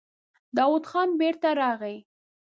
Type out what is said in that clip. داوود خان بېرته راغی.